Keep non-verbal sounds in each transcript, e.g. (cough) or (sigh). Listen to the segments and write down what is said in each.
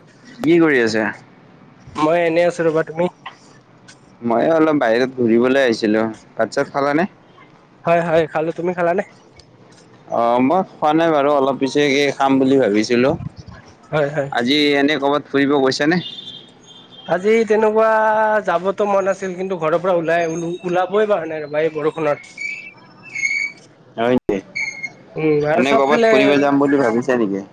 (unintelligible) কি কৰি আছা মই এনেই আছো ৰবা তুমি মই অলপ বাহিৰত ঘূৰিবলৈ আহিছিলো ভাত চাত খালানে হয় হয় খালো তুমি খালা নে অ মই খোৱা নাই বাৰু অলপ পিছেকে এই খাম বুলি ভাবিছিলো হয় হয় আজি এনে কৰ'বাত ফুৰিব গৈছানে আজি তেনেকুৱা যাবতো মন আছিল কিন্তু ঘৰৰ পৰা ওলাই ওলাবই ৰবা এই বৰষুণত হয় নেকি? উম আৰু এনে কৰ'বাত চবফালে ফুৰিব যাম বুলি ভাবিছা নেকি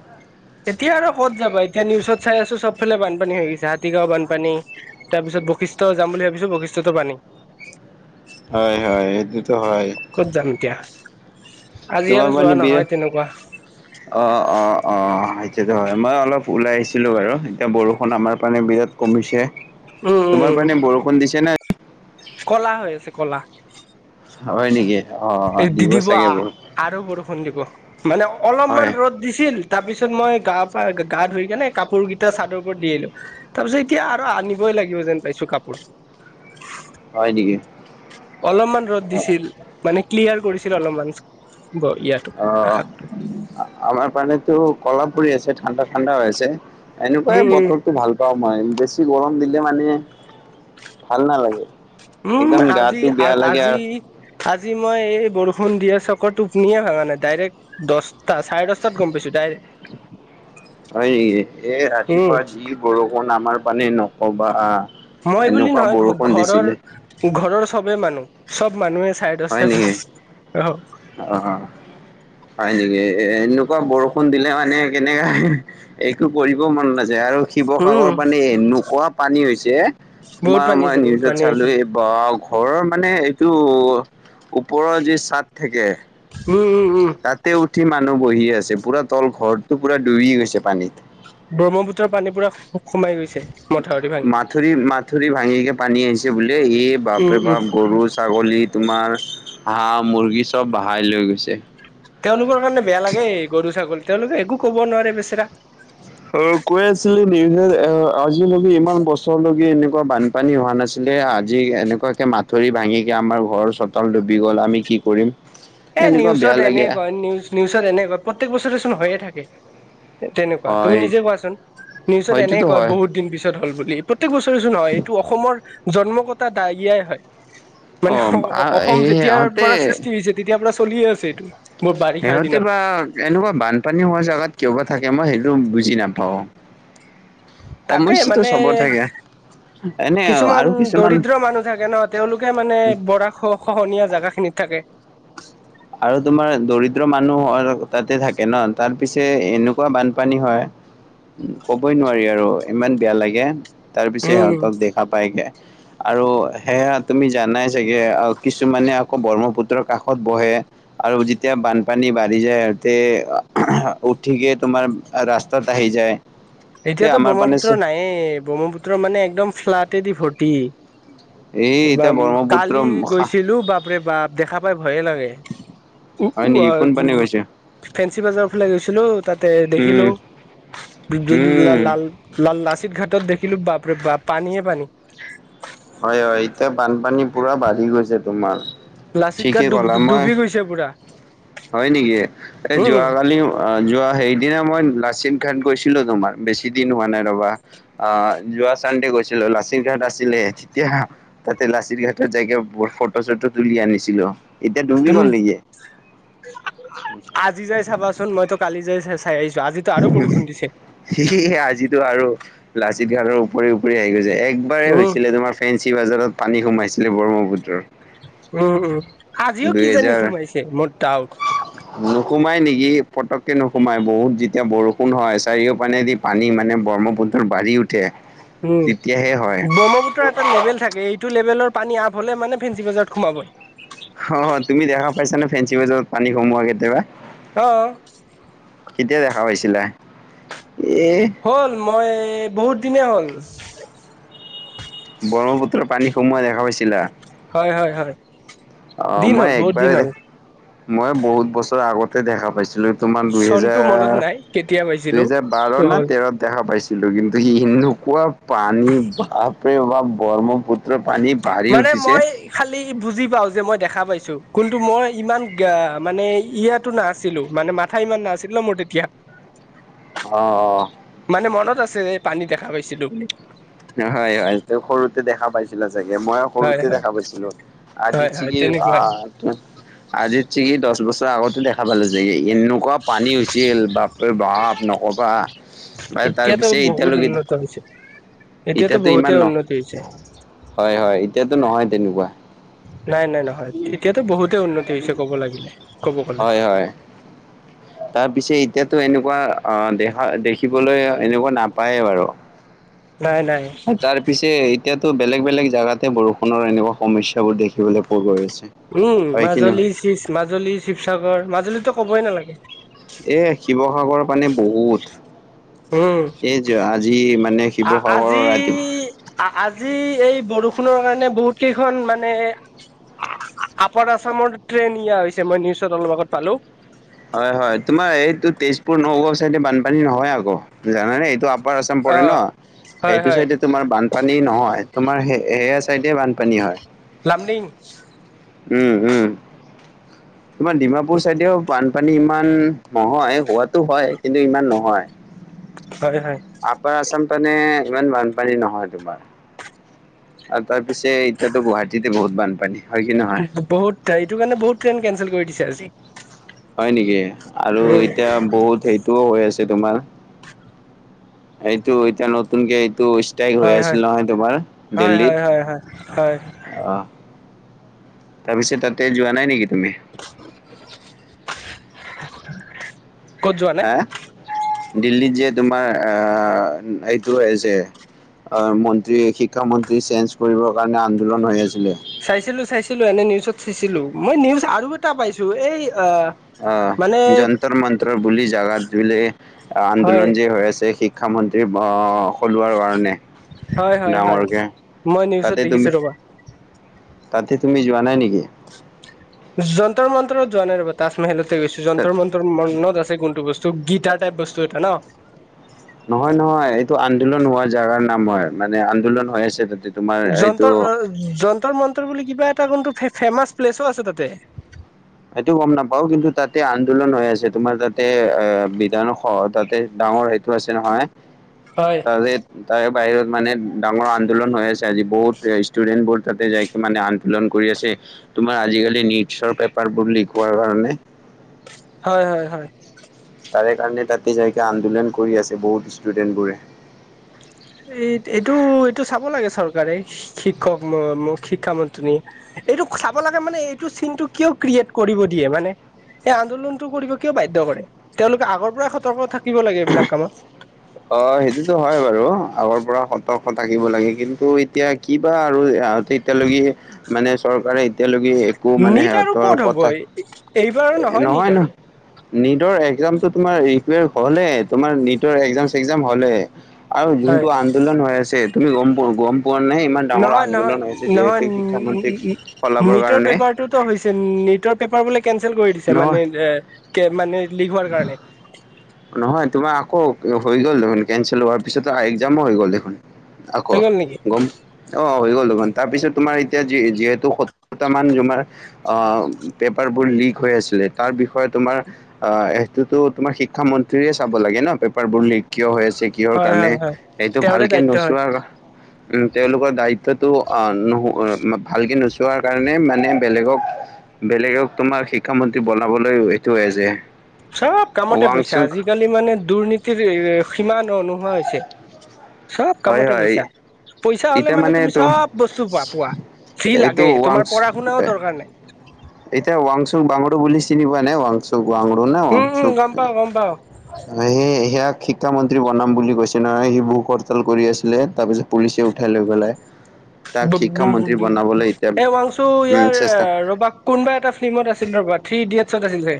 এতিয়া আৰু ক'ত যাবা এতিয়া নিউজত চাই আছো চবফালে বানপানী হৈ গৈছে হাতীগাঁও বানপানী তাৰপিছত বশিষ্ট যাম বুলি ভাবিছো বশিষ্টতো পানী হয় হয় এইটোতো হয় ক'ত যাম এতিয়া আজি তোমাৰ আৰু যোৱা মানে বিয়ে নহয় তেনেকুৱা অ অ অ সেইটোতো হয় মই অলপ ওলাই আহিছিলোঁ বাৰু এতিয়া বৰষুণ আমাৰ পানে বিৰাট কমিছে উম তোমাৰ উম পিনে বৰষুণ দিছে নে কলা হৈ আছে কলা হয় নেকি অ অ এ দি দিব চাগে বৰ আৰু বৰষুণ দিব মানে হয় অলপমান ৰ'দ দিছিল তাৰ পিছত মই গা পা গা ধুই কেনে কাপোৰ কেইটা চাদৰ ওপৰত দি আহিলো তাৰপিছত এতিয়া আৰু আনিবই লাগিব যেন পাইছো কাপোৰ হয় নেকি অলপমান ৰ'দ দিছিল মানে ক্লিয়াৰ কৰিছিল অলপমান গল এতিয়া অ' অ' আ আমাৰ পানেতো কলা পৰি আছে ঠাণ্ডা-ঠাণ্ডা হৈ আছে এনেকুৱাই উম উম বতৰটো ভাল পাওঁ মই বেছি গৰম দিলে মানে, ভাল নালাগে উম' একদম আজি গাটো বেয়া লাগে আ-আজি আৰু আজি মই এই বৰষুণ দিয়ে চকৰ টোপনিয়ে ভঙা নাই ডাইৰেক্ট দহটা চাৰে দহটাত গম পাইছো ডাইৰেক্ট হয় নেকি? এই উম ৰাতিপুৱা যি বৰষুণ আমাৰ পানেই ন ক'বা মই বুলি এনেকুৱা নহয় বৰষুণ ঘৰৰ দিছিলে। ঘৰৰ চবে মানুহ চব মানুহে চায়ে হয় ডছটাত নেকি (unintelligible) অ'। অ', হয় নেকি? এ, এনেকুৱা বৰষুণ দিলে মানে কেনেকা (unintelligible) একো কৰিব মন নাযায় আৰু উম শিৱসাগৰ পানে এনুকোৱা পানী হৈছে। বহুত তোমাৰ পানী মই হৈছে বহুত নিউজত পানী হৈছে চালোঁ এই বা ঘৰৰ মানে এইটো ওপৰৰ যি চাট থাকে উম, উম। উম তাতে উঠি মানুহ বহি আছে পুৰা তল ঘৰটো পুৰা ডুবি গৈছে পানীত। ব্ৰহ্মপুত্ৰৰ পানী পোৰা সো-সোমাই গৈছে। মথাউৰি ভাঙি মাথৰি মাথুৰি ভাঙিকে পানী আহিছে বোলে এই উম বাপৰে উম বাপ গৰুচ ছাগলী তোমাৰ হাঁহ, মুৰ্গী চব বাহাই লৈ গৈছে। তেওঁলোকৰ কাৰণে বেয়া লাগে গৰু, ছাগল তেওঁলোকে একো ক'ব নোৱাৰে বেচেৰা। অ', কৈ আছিলি নিউজত এ, আজিলৈকে ইমান বছৰলৈকে এনেকুৱা বান পানী হোৱা নাছিলে আজি এনেকুৱাকে মাথৰি ভাঙিকে আমাৰ ঘৰ চোতাল ডুবি গ'ল আমি কি কৰিম? এ, এনেকুৱা বেয়া নিউচত লাগে এনে কয় নিউচ নিউচত এনে কয় প্ৰত্যেক বছৰে চোন হৈয়ে থাকে। এ, তেনেকুৱা তুমি হয় নিজে কোৱাচোন নিউচত এনে হয়তোতো কয় হয় বহুত দিন পিছ তত হ'ল বুলি প্ৰত্যেক বছৰে ছোন হয় এইটো অসমৰ জন্ম কটা দায়িয়াই হয়। মানে অ', অ-অ-অসম সেই যেতিয়াৰ সিহঁতে পৰা সৃষ্টি হৈছে তেতিয়াৰ পৰা চলিয়ে আছে এইটো। মোৰ বাৰিষাৰ সিহঁতে দিনত বা এনেকুৱা বানপানী হোৱা জেগাত কিয় বা থাকে মই সেইটো বুজি নাপাওঁ। তাকে সমস্যাটো মানে চবৰ থাকে। এনে কিছুমান আৰু দৰিদ্ৰ মানুহ থাকে ন তেওঁলোকে মানে বৰাশ খহনীয়া জেগাখিনিত থাকে। আৰু তোমাৰ দৰিদ্ৰ মানুহ (unintelligible) তাতে থাকে ন' তাৰ পিছে এনেকুৱা বানপানী হয়। ক'বই নোৱাৰি আৰু ইমান বেয়া লাগে। তাৰ পিছে উম সিহঁতক দেখা পাইগে আৰু সেয়া তুমি জানাই চা চাগে আ, কিছুমানে আকৌ ব্ৰহ্মপুত্ৰৰ কাষত বহে। আৰু যেতিয়া বানপানী বাঢ়ি যায় সিহঁতে (unintelligible) উঠিকে তোমাৰ আ, ৰাস্তাত আহি যায়। এই এতিয়াতো আমাৰ পানে ব্ৰহ্মপুত্ৰ চ- নাইয়ে ব্ৰহ্মপুত্ৰ মানে একদম ফ্লাটেদি ভৰ্তি। এই এতিয়া (unintelligible) ব্ৰহ্মপুত্ৰ কালি খা- গৈছিলোঁ বাপৰে বাপ দেখা পাই ভয়ে লাগে। উ, হয় উ, নেকি কোন পানে গৈছে আ- ফেঞ্চি বাজাৰ ফালে গৈছিলোঁ তাতে উম দেখিলোঁ (unintelligible) উম লাল লাল লাল লাচিত ঘাটত দেখিলোঁ বাপৰে বা পানীয়ে পানী। হয় হয় এতিয়া বানপানী পুৰা বাঢ়ি গৈছে তোমাৰ। লাচিত গাট ঠিকে ডুব ক'লা মই, ডুবি গৈছে পুৰা হয় নিকি এই উম যোৱাকালি অ', যোৱা সেইদিনা মই লাচিত ঘাট গৈছিলোঁ তোমাৰ বেছি দিন হোৱা নাই ৰ'বা। আ, যোৱা চানদে গৈছিলোঁ লাচিত ঘাট আছিলে। তিয়া তাতে লাচিত ঘাটত জাই কেই ফ ফটো চটো তুলি আনিছিলোঁ। এতিয়া ডুবি তুমি গ'ল নেকি? (unintelligible) আজি যাই চাবাচোন মইতো কালি যাই চা চাই আহিছোঁ আজিত ত' আৰু বৰষুণ দিছে। (unintelligible) আজিতো আৰু লাচিত ঘাটৰ উপৰি উপৰি আহি গৈছে একবাৰেই উম হৈছিলে তোমাৰ ফেঞ্চি বাজাৰত পানী সোমাইছিলে ব্ৰহ্মপুত্ৰৰ। উম উম, আজিও কিজানি দুহেজাৰ সোমাইছে মোৰ দাওট। নোসোমাই নেকি পটককে নোসোমাই বহুত যেতিয়া বৰষুণ হয় চাৰিও পানে দি পানী মানে ব্ৰহ্মপুত্ৰৰ বাঢ়ি উঠে। উম, তেতিয়াহে হয়। ব্ৰহ্মপুত্ৰৰ এটা লেভেল থাকে এই এইটো লেভেলৰ পানী আপ হলে মানে ফেঞ্চি বজাৰত সোমাবই। অ', তুমি দেখা পাইছানে ফেঞ্চি বজাৰত পানী সোমোৱা কেতিয়াবা? অ'। কেতিয়া দেখা পাইছিলা এই হ'ল মই বহুত দিনে হ'ল। ব্ৰহ্মপুত্ৰৰ পানী সোমোৱাই দেখা পাইছিলা? হয়, হয়, হয়। অ', দিন মই হ'ল বহুত দিন একেবাৰে হ'ল দেখা মই বহুত বছৰ আগতে দেখা পাইছিলো। তোমাৰ দু চনটো মনত হেজাৰ নাই কেতিয়া দু পাইছিলো হেজাৰ বাৰ টো ন হ'ল তেৰ দেখা পাইছিলোঁ কিন্তু এনেকুৱা পানী বাপৰে বাপ ব্ৰহ্মপুত্ৰ পানী বাঢ়ি মানে উঠিছে মই খালি বুজি পাও যে মই দেখা পাইছো কিন্তু মই ইমান গ মানে ইয়াতো নাছিলো মানে মাত মাথা ইমান নাছিল ন' মোৰ তেতিয়া। অঁ', অঁ '। মানে মনত আছে এই পানী দেখা পাইছিলোঁ বুলি। হয়, হয়, সৰুতে দেখা পাইছ চিলা চাগে মই হয় সৰুতে হয় দেখা পাইছিলো হয় হয় তেনেকুৱাই (unintelligible) আজি চিকি দহ বছৰ আগতে দেখা পালো যে এনেকুৱা পানী হৈছিল বা বাপ ৰে বাপ নকবা বা তাৰ এতিয়াতো পিছে এতিয়ালৈকে (unintelligible) এতিয়াতো বহুতে ইমান নহ উন্নতি হৈছে হয়, হয়, এতিয়াতো নহয় তেনেকুৱা। নাই নাই নহয় এতিয়াতো বহুতে উন্নতি হৈছে ক'ব লাগিলে। ক'ব গ'লে হয়, হয়। তাৰ পিছে এতিয়াতো এনেকুৱা আহ দেখা দেখিবলৈ এনেকুৱা নাপায় বাৰু। নাই, নাই। তাৰ পিছে এতিয়াতো বেলেগ বেলেগ জেগাতে বৰষুণৰ এনেকুৱা সমস্যা বোৰ দেখিবলৈ পোৱা গৈ আছে। উম, হয় কি নহয় মাজুলী মাজুলী শিৱসাগৰ মাজুলীতো ক'বই নালাগে। এ শিৱসাগৰৰ পানী বহুত। উম এইযে আজি মানে শিৱসাগৰৰ আজি ৰাতিপুৱা আজি এই বৰষুণৰ কাৰণে বহুত কেইখন মানে আপাৰ আছামৰ ট্ৰেন নিয়া হৈছে মই নিউজত অলপ আগত পালোঁ। হয় হয় তোমাৰ এইটো তেজপুৰ নগাঁও চাইডে বানপানী নহয় আকৌ জানানে এইটো আপাৰ আছাম অ পৰে ন হয় সেইটো হয় চাইডে তোমাৰ বান পানী নহয় তোমাৰ সেয়া চাইডে বানপানী হয়। লামডিং। উম, উম, তোমাৰ ডিমাপুৰ চাইদেও বানপানী ইমান নহয় হোৱাতো হয়, কিন্তু ইমান নহয়। হয়, হয়। আপাৰ আছাম পিনে ইমান বানপানী নহয় তোমাৰ। আৰু তাৰ পিছে এতিয়াতো গুৱাহাটীতে বহুত বানপানী হয় কি নহয়? বহুত এইটো কাৰণে বহুত ট্ৰেইন কেনচেল কৰি দিছে আজি হয় নেকি আৰু এতিয়া বহুত সেইটোও হৈ আছে তোমাৰ এইটো এতিয়া, নতুনকে এইটো তেগ হৈ হয় হয় আছিল নহয় তোমাৰ, হয় হয় দিল্লীত। হয় হয় হয় অ, তাৰপিছত তাতে যোৱা নাই নেকি তুমি? ক'ত যোৱা নাই হা, দিল্লীত যে তোমাৰ আহ, এইটো যে মন্ত্ৰী শিক্ষামন্ত্ৰী চেঞ্জ, কৰিবৰ কাৰণে আন্দোলন হৈ আছিলে। চাইছিলো, চাইছিলো এনে নিউজত চাইছিলো, মই নিউজ আৰু এটা পাইছোঁ এই, আহ, অ, যন্ত্ৰ মন্ত্ৰ বুলি জাগাত বিলে, হয় আন্দোলন যে হৈ আছে শি শিক্ষামন্ত্ৰী অ, সলোৱাৰ কাৰণে। হয় হয় হয় ডাঙৰকে, মই নিউজত তাতে দেখিছো তুমি ৰবা তাতে তুমি যোৱা নাই নেকি? যন্ত্ৰৰ-মন্তৰত যোৱা নাই ৰ'বা, তাজমহলতে গৈছো তাত যন্তৰ মন্তৰ তোৰ মনত আছে কোনটো বস্তু, গীতাৰ টাইপ বস্তু এটা ন নহয় নহয়, এইটো আন্দোলন হোৱা জেগাৰ নাম হয়, মানে আন্দোলন হৈ আছে তাতে তোমাৰ এইটো যন্তৰ-যন্তৰ মন্তৰ বুলি কিবা এটা কিন্তু, ফেমাচ প্লেচো আছে তাতে। সেইটো গম নাপাওঁ, কিন্তু তাতে আন্দোলন হৈ আছে, তোমাৰ তাতে এ, বিধানস তাতে ডাঙৰ তো, আছে নহয়। হয়। তাৰে তাৰে বাহিৰত মানে ডাঙৰ আন্দোলন হৈ আছে, আজি বহুত ষ্টুডেণ্টবোৰ তাতে যাইকৈ মানে আন্দোলন কৰি আছে। তোমাৰ আজিকালি নিটছৰ পেপাৰ বহুত লিক হোৱাৰ কাৰণে। হয়, হয়, হয়। তাৰে কাৰণে তাতে যাইকে, আন্দোলন কৰি আছে বহুত ষ্টুডেন্ট বোৰে। এই এইটো এইটো চাব লাগে, চৰকাৰে শিক্ষক- শিক্ষামন্ত্ৰী এইটো চাব লাগে মানে, এইটো চিনটো কিয় ক্ৰিয়েট কৰিব দিয়ে মানে। এই আন্দোলনতটো কৰিব কিয় বাধ্য কৰে, তেওঁলোকে আগৰ পৰাই সতৰ্ক থাকিব লাগে, এইবিলাক কামত অ, সেইটোতো হয় বাৰু, আগৰ পৰা সতৰ্ক থাকিব লাগে কিন্তু এতিয়া কিবা আৰু ইহঁতে এতিয়ালৈকে মানে চৰকাৰে এতিয়ালৈকে একো মানে, সিহঁতৰ কথা এইবাৰ এ, নহয়, নহ নিটৰ একজামটো তোমাৰ ৰিকোৱেৰ হ'লে, তোমাৰ নিটৰ একজাম-চেকজাম হ'লে। আৰু যোনটো হয় আন্দোলন হৈ আছে, তুমি গম পোৱা, গম পোৱা নাই ইমান ডাঙৰ নহয়, আন্দোলন হৈছে নহয়, যিহেতু নহয়, শিক্ষামন্ত্ৰীক সলাবৰ নিটৰ কাৰণে? পেপাৰটোত (inaudible) হৈছে নীটৰ পেপাৰ বোলে, কেনচেল কৰি দিছে, নহয় মানে এ, কে মানে লিক হোৱাৰ কাৰণে। নহয়, তোমাৰ আকৌ হৈ গ'ল দেখোন, কেনচেল হোৱাৰ পিছতো, একজামো হৈ গ'ল দেখোন। হৈ আকৌ, গ'ল নেকি গম অ' হৈ গ'ল দেখোন, তাৰপিছত তোমাৰ এতিয়া যি, যিহেতু সত্তৰটা মান (inaudible) অ, পেপাৰবোৰ লিক হৈ আছিলে, তাৰ বিষয়ে তোমাৰ অ, এইটোতো তোমাৰ শিক্ষ ক্ষা, মন্ত্ৰীয়ে চাব লাগে ন, পেপাৰবোৰ লিক কিয় হৈ আছে। যে, কিহৰ হয় কাৰণে, হয় হয় সেইটো তেওঁৰে ভালকে দায়িত্ব হয় নোচোৱাৰ উম, তেওঁলোকৰ দায়িত্বটো অ, নোহো, ভালকে নোচোৱাৰ কাৰণে মানে বেলেগক বেলেগক তোমাৰ শিক্ষামন্ত্ৰী বনাবলৈ, এইটোয়ে যে চ'ব কামতে পইছা, আজিকালি মানে দুৰ্নীতিৰ সীমা, নোহোৱা হৈছে। চ'ব হয় কামতে হয় পইচা। পইচা হলে এতিয়া মানে তুমি তো চব বস্তু প পোৱা যি এইটো লাগে তোমাৰ পঢ়া ৱাংচ শুনাও দৰকাৰ নাই। এতিয়া ৱাংচুক বাংডো বুলি চিনি পোৱা নে ৱাংচুক বাাংডো নে উম উম ৱাংচুখ। গম পাও গম পাওঁ। সেই সিয়াক শিক্ষামন্ত্ৰী বনাম বুলি কৈছে নহয় সি বুকহৰ্তাল কৰি আছিলে। তাৰ পিছত পুলিচে উঠাই লৈ গ'লে। (unintelligible) উম চেষ্টা কোনবা এটা ফিল্মত আছিল ৰ'বা থ্ৰী ইডিয়টছত আছিল চাগে।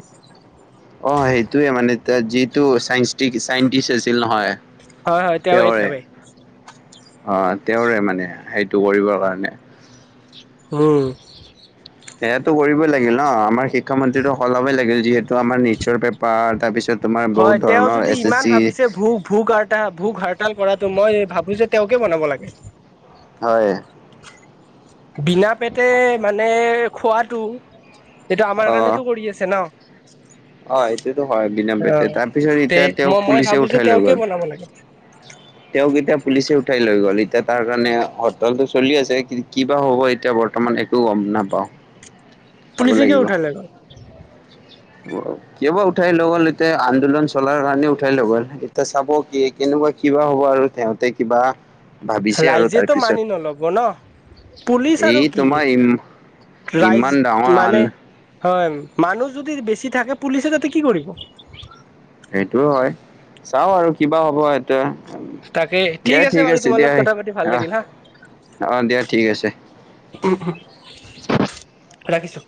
অ' সেইটোৱে মানে তে যিটো চাইনষ্টিক চাইন্টিষ্ট আছিল নহয়। হয় হয় তেওঁৱে তেওঁৰে তেওঁৱে অ' তেওঁৰে, মানে সেইটো কৰিবৰ কাৰণে। উম। সেইয়াতো কৰিবই লাগিল ন আমাৰ শিক্ষামন্ত্ৰীটো সলাবই লাগিল যিহেতু। ত' আমাৰ নীটচৰ পেপাৰ তাৰপিছত তোমাৰ হয় বহুত তেওঁ ধৰণৰ যদি এছ এছ ইমান চি। ভাবিছে ভোক ভোক আৰ্তা ভোক হাৰতাল কৰাটো মই ভাবোঁ যে তেওঁকেই বনাব লাগে। হয়। বিনা পেটে মানে খোৱাটো এইটো আমাৰ অ কাৰণেতো কৰি আছে ন? অ', এইটোতো হয়। বিনা অ পেটে, তাৰপিছত তে এতিয়া তেওঁক মই মই পুলিচে ভাবো যে উঠাই লৈ তেওঁকে গ'ল। বনাব লাগে (inaudible) তেওঁক এতিয়া পুলিচে উঠাই লৈ গ'ল। এতিয়া তাৰ কাৰণে হৰতালটো চলি আছে, কিন্তু কিবা হ'ব এতিয়াৰ বৰ্ত বৰ্তমান, একো গম নাপাওঁ। চাব পুুলিচে কিয় লাগিব উঠাই লৈ গ'ল? (unintelligible) কিয় বা উঠাই লৈ গ'ল, এতিয়া আন্দোলন চলাৰ কাৰণে উঠাই লৈ গ'ল। এতিয়া চাব কি কেনেকুৱা কিবা হ'ব আৰু (unintelligible) তেই কিবা ভাবিছে আৰু ৰাইজেটো তাৰপিছত মানি নল'ব ন পুলিচ এই আৰু কি? তোমাৰ ই ইমান ৰাইজ ডাঙৰ আন মানে হয়। মানুহ যদি বেছি থাকে পুলিচে তাতে কি কৰিব? সেইটোও হয়। চাওঁ আৰু কিবা হ'ব। তাকে (inaudible) দিয়া, ঠিক বাৰু আছে তোমাৰ দিয়া লগত কথা পাতি ভাল আহ। লাগিল হা অ' দিয়া ঠিক আছে। (unintelligible) ৰাখিছোঁ।